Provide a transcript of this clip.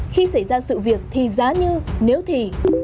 khi xảy ra sự việc thì giá như nếu thì